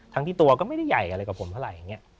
ที่ตัวก็ไม่ได้ใหญ่อะไรกับผมเท่าไหร่อย่างนี้